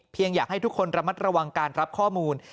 อยากให้ทุกคนระมัดระวังการรับข้อมูล